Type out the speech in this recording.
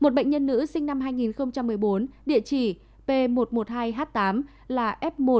một bệnh nhân nữ sinh năm hai nghìn một mươi bốn địa chỉ p một trăm một mươi hai h tám là f một